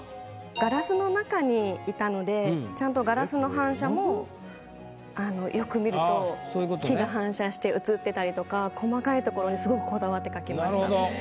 ガラスの中にいたのでちゃんとガラスの反射もよく見ると木が反射して映ってたりとか細かいところにすごくこだわって描きました。